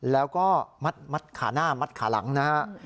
แล้วก็มัดขาหน้ามัดขาหลังนะฮะ